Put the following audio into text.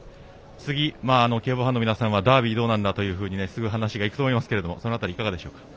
次、競馬ファンの皆さんはダービーどうなんだっていうすぐ話がいくと思いますがその辺りいかがでしょうか？